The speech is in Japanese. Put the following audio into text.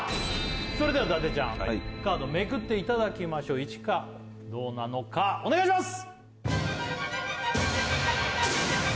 それでは伊達ちゃんカードめくっていただきましょう１かどうなのかお願いします！